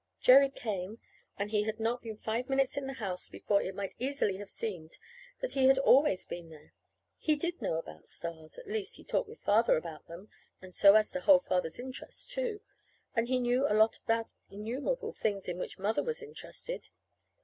Jerry came and he had not been five minutes in the house before it might easily have seemed that he had always been there. He did know about stars; at least, he talked with Father about them, and so as to hold Father's interest, too. And he knew a lot about innumerable things in which Mother was interested.